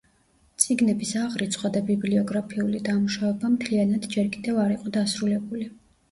წიგნების აღრიცხვა და ბიბლიოგრაფიული დამუშავება მთლიანად ჯერ კიდევ არ იყო დასრულებული.